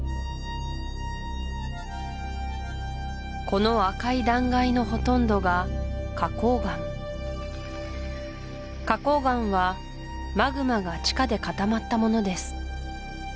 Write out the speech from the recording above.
この赤い断崖のほとんどが花崗岩花崗岩はマグマが地下で固まったものです